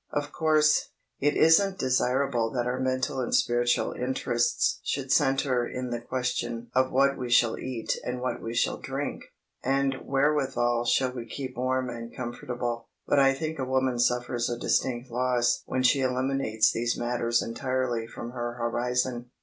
Of course, it isn't desirable that our mental and spiritual interests should centre in the question of what we shall eat and what we shall drink, and wherewithal shall we keep warm and comfortable, but I think a woman suffers a distinct loss when she eliminates these matters entirely from her horizon.